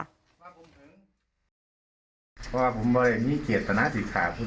เพราะว่าผมมีเจตนาศิษย์ขาพุทธ